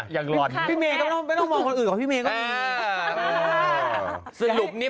ยังร้อนน่ะพี่แม่ก็ไม่ต้องมองคนอื่นพี่แม่ก็มี